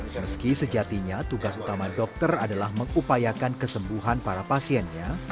meski sejatinya tugas utama dokter adalah mengupayakan kesembuhan para pasiennya